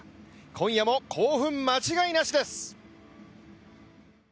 今夜も興奮間違いなしです。